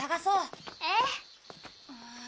ええ。